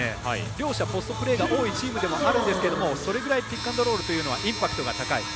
両者、ポストプレーが多いチームではあるんですがそれぐらいピックアンドロールというのはインパクトが高い。